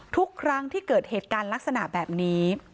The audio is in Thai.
ทุกครั้งที่เกิดเหตุการณ์ลักษณะแบบนี้